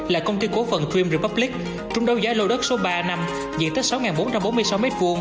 là công ty cổ phần dream republic trúng đấu giá lô đất số ba năm diện tích sáu bốn trăm bốn mươi sáu m hai